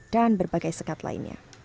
dan berbagai sekat lainnya